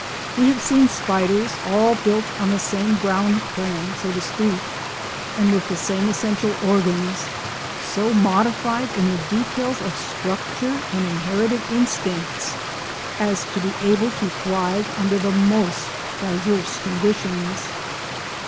We have seen spiders, all built on the same ground plan, so to speak, and with the same essential organs, so modified in the details of structure and inherited instincts as to be able to thrive under the most diverse conditions.